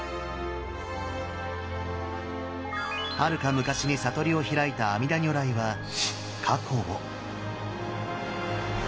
はるか昔に悟りを開いた阿弥陀如来は過去を。